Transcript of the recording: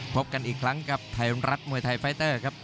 พบกันอีกครั้งกับไทยรัฐมวยไทยไฟเตอร์ครับ